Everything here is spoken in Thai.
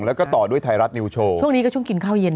แล้วก็ต่อด้วยไทยรัฐนิวโชว์ช่วงนี้ก็ช่วงกินข้าวเย็น